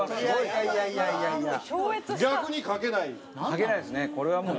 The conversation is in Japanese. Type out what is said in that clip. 描けないですねこれはもう。